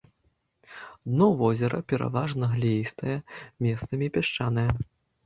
Дно возера пераважна глеістае, месцамі пясчанае.